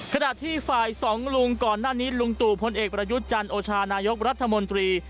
ขณะที่ฝ่ายสองลุงก่อนหน้านี้ลุงตู่พลเอกประยุทธ์จันทร์โอชานายกรัฐมนตรี